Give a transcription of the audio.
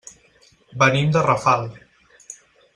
Venim de Rafal.